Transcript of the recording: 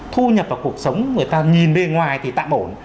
thu nhập vào cuộc sống người ta nhìn bề ngoài thì tạm ổn